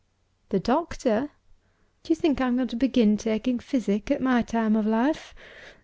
"The doctor! Do you think I'm going to begin taking physic, at my time of life?